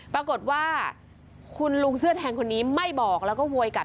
ปรากฏว่าคุณลุงเสื้อแทงคนนี้ไม่บอกแล้วก็โวยกลับ